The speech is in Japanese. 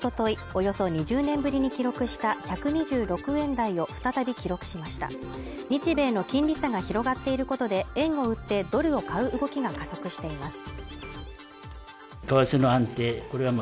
およそ２０年ぶりに記録した１２６円台を再び記録しました日米の金利差が広がっていることで円を売ってドルを買う動きが加速しています